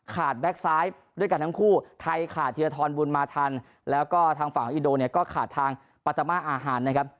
แก๊กซ้ายด้วยกันทั้งคู่ไทยขาดธีรทรบุญมาทันแล้วก็ทางฝั่งอินโดเนี่ยก็ขาดทางปาตามาอาหารนะครับ